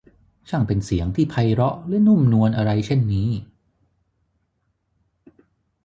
ช่างเป็นเสียงที่ไพเราะและนุ่มนวลอะไรเช่นนี้ !